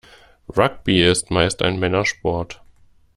Rugby ist meist ein Männersport.